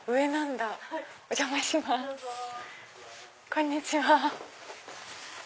こんにちは。